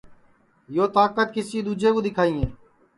یو تاکت کسی دؔوجے کُو دؔیکھائیں